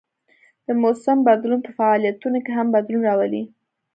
د موسم بدلون په فعالیتونو کې هم بدلون راولي